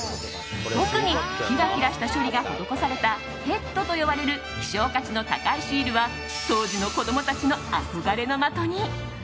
特にキラキラした処理が施されたヘッドと呼ばれる希少価値の高いシールは当時の子供たちの憧れの的に。